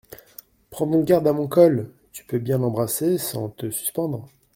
Prends donc garde à mon col… tu peux bien embrasser sans te suspendre…